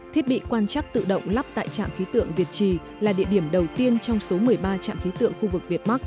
thiết bị quan chắc tự động lắp tại trạm khí tượng việt trì là địa điểm đầu tiên trong số một mươi ba trạm khí tượng khu vực việt bắc